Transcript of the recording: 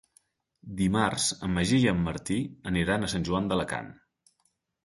Dimarts en Magí i en Martí aniran a Sant Joan d'Alacant.